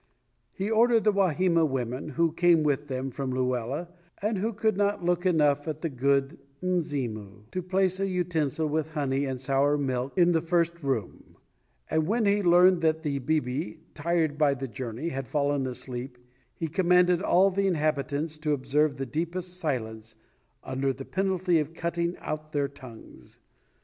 He ordered the Wahima women, who came with them from Luela, and who could not look enough at the "Good Mzimu," to place a utensil with honey and sour milk in the first room, and when he learned that the "bibi," tired by the journey, had fallen asleep, he commanded all the inhabitants to observe the deepest silence under the penalty of cutting out their tongues.